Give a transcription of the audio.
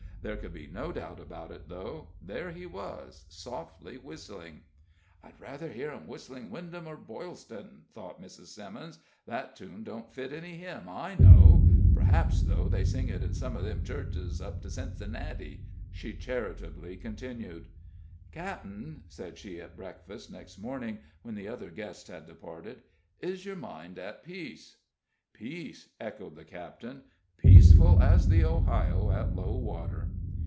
There could be no doubt about it, though there he was, softly whistling. "I'd rather hear him whistlin' Windham or Boylston," thought Mrs. Simmons; "that tune don't fit any hymn I know. P'r'aps, though, they sing it in some of them churches up to Cincinnaty," she charitably continued. "Cap'en," said she, at breakfast, next morning, when the other guests had departed, "is your mind at peace?" "Peace?" echoed the captain "peaceful as the Ohio at low water."